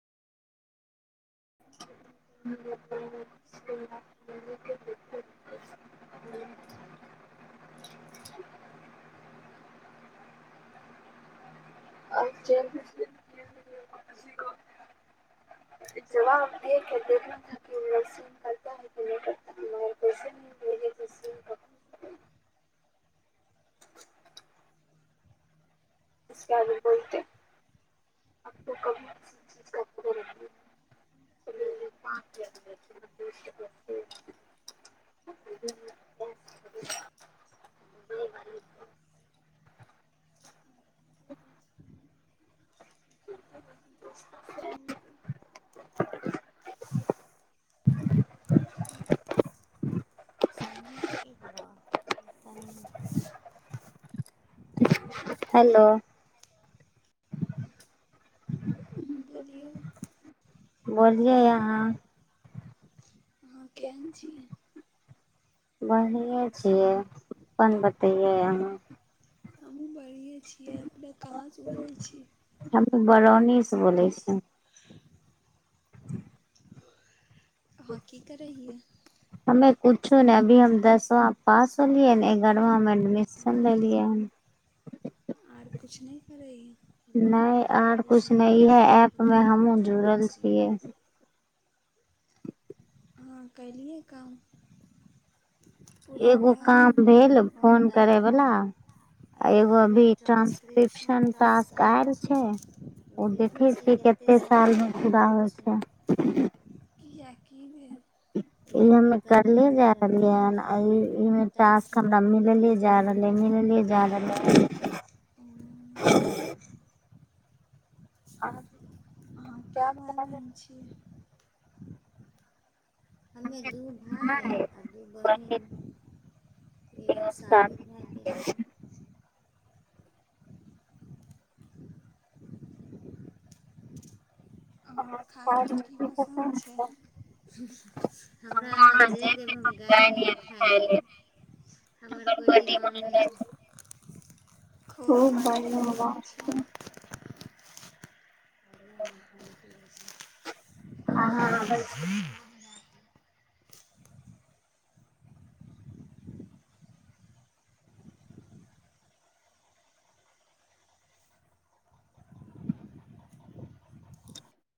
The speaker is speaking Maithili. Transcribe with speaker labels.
Speaker 1: देख [inaudible] [inaudible] [inaudible] अ च [inaudible] जबाब द देख सी करता है क नहि करता [inaudible]
Speaker 2: [inaudible]
Speaker 1: [inaudible] इसके आगे बोलते कभी चीज [inaudible] [inaudible] [inaudible] [inaudible]
Speaker 2: [inaudible] सम्मी की करऽ
Speaker 1: [inaudible] हेलौ बोलियै आहां
Speaker 2: आहाँ केहन छी
Speaker 1: बढ़िए छियै अपन बतैयै अहाँ
Speaker 2: हमहुँ बढ़े छियै अपने कहाँसँ बजै छीयै
Speaker 1: हम बरौनीसँ बोलै छियै
Speaker 2: अहाँ की करै हियै
Speaker 1: हमे कुछु ने अभी हम दसमा पास होलियै ने एगरवा मे एडमिशन लेलियै हन [inaudible]
Speaker 2: आर कुछ नहि करैय
Speaker 1: नहि आर कुछ नहि इहै ऐप मे हमहुँ जुड़ल छियै
Speaker 2: आँहा कलियै काम
Speaker 1: एगो काम भेल फोन करयवला
Speaker 2: एगो अभी ट्रान्सक्रिप्शन तासकार छिय
Speaker 1: ओ देखै छै कते सालमे पूरा होइ छै
Speaker 2: किएऽ कि भेल
Speaker 1: [inaudible] इ हमे करले जा रहलियै हन इ इमे टास्क हमरा मिलले जा रहले ह मिलले ले जा रहे है।
Speaker 2: आँहा कय भाय बहिन छीयय? हमे दू भाय आ दू बहिन एगो साफे भा गेल छै
Speaker 1: [unintelligible]
Speaker 2: हमरा अहाँ जे देब हम गाय नियन खाय लेब हमर कोइ दिमा्ड नहि छै
Speaker 1: खूब बढ़िआ बात छै आँहा आबै छी